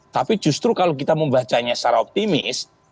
tapi justru kalau kita membacanya secara optimis